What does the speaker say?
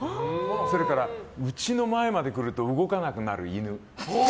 それから、うちの前まで来ると動かなくなる犬。